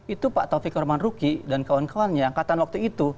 itu pak taufik orman ruki dan kawan kawannya angkatan waktu itu